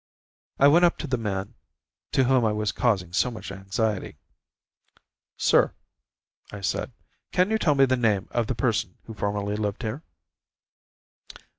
I went up to the man, to whom I was causing so much anxiety. "Sir," I said, "can you tell me the name of the person who formerly lived here?"